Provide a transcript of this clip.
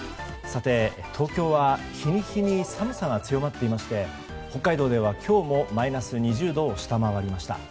東京は日に日に寒さが強まっていまして北海道では今日もマイナス２０度を下回りました。